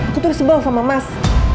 aku terus bau sama mas